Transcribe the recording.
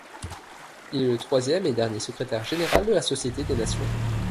Il est le troisième et dernier secrétaire général de la Société des Nations.